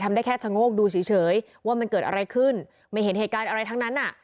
ได้แค่ชะโงกดูเฉยว่ามันเกิดอะไรขึ้นไม่เห็นเหตุการณ์อะไรทั้งนั้นอ่ะ